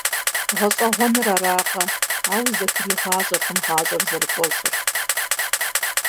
Гъэщӏэгъуэныр аракъэ: ауи зэхригъащӏэркъым гъащӏэр зэрыкӏуэщӏыр.